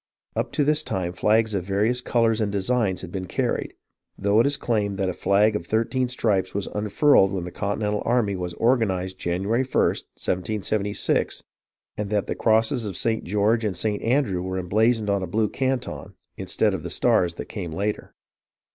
Up to this time flags of various colours and designs had been carried, though it is claimed that a flag of thirteen stripes was unfurled when the Continental army was organized January ist, 1776, and that the crosses of St. George and St. Andrew were emblazoned on a blue can ton, instead of the stars that came later.